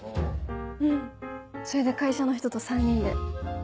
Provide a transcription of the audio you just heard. うんそれで会社の人と３人で。